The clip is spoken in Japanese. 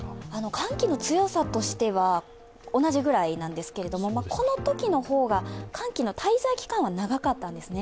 寒気の強さとしては同じくらいなんですが、このときの方が寒気の滞在期間は長かったんですね。